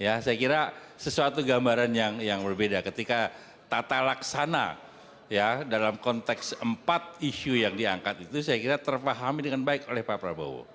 ya saya kira sesuatu gambaran yang berbeda ketika tata laksana ya dalam konteks empat isu yang diangkat itu saya kira terpahami dengan baik oleh pak prabowo